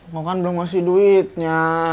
lo kan belum kasih duitnya